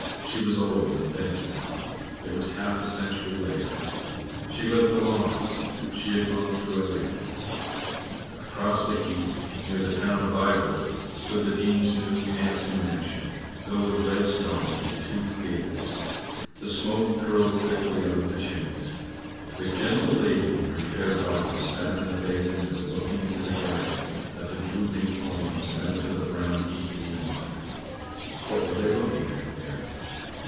She was old and bent now; it was half a century later. She lived the longest, she had gone through everything. " Across the heath, near the town of Viborg, stood the Dean's new, handsome mansion, built of red stone, with toothed gables. The smoke curled thickly out of the chimneys. The gentle lady and her fair daughters sat in the bay window looking into the garden at the drooping thorns and out to the brown heath beyond. What were they looking at there?